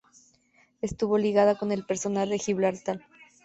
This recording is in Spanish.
Estuvo ligado con el personal de Gibraltar.